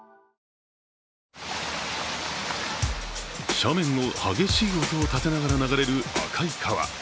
斜面を激しい音を立てながら流れる赤い川。